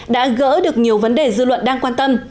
đã gỡ được nhiều vấn đề dư luận đang quan tâm